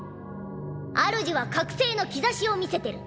主は覚醒の兆しを見せてる。